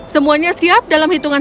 semuanya siap dalam hitungan